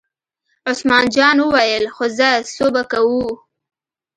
عثمان جان وویل: خو ځه څو به کوو.